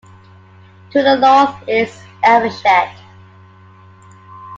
To the north is Evershed.